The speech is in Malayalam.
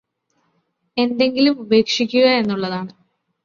എന്തെങ്കിലും ഉപേക്ഷിക്കുക എന്നുള്ളതാണ്